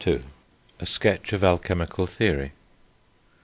A SKETCH OF ALCHEMICAL THEORY.